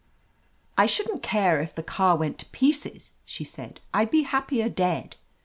"I shouldn't care if the car went to pieces," she said. "I'd be happier dead."